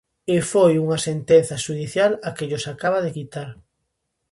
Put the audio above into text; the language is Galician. E foi unha sentenza xudicial a que llos acaba de quitar.